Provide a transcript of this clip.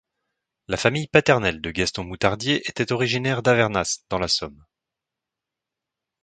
La famille paternelle de Gaston Moutardier était originaire d'Havernas dans la Somme.